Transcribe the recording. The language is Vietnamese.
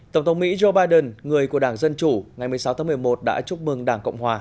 tổng thống mỹ joe biden người của đảng dân chủ ngày một mươi sáu tháng một mươi một đã chúc mừng đảng cộng hòa